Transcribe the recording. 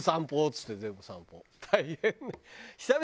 っつって全部散歩大変だ。